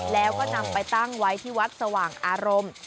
แล้วก็นำไปตั้งไว้ที่วัดสว่างอารมณ์